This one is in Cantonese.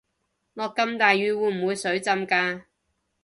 落咁大雨會唔會水浸架